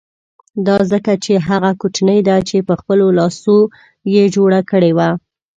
دا ځکه چې هغه کوټنۍ ده چې په خپلو لاسو یې جوړه کړې وه.